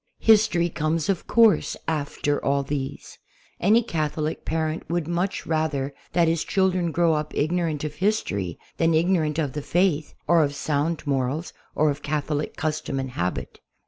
History comes, of course, after all these. Any Catholic parent would much rather that his children grow up ig norant of history than ignorant of the Faith or of sound morals, or of Catholic custom and habit.